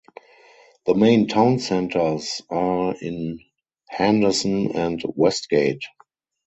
The main town centres are in Henderson and Westgate.